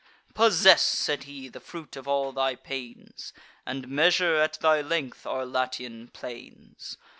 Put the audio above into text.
"Possess," said he, "the fruit of all thy pains, And measure, at thy length, our Latian plains.